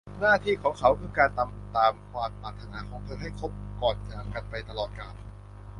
หน้าที่ของเขาคือการทำตามความปรารถนาของเธอให้ครบก่อนจากกันไปตลอดกาล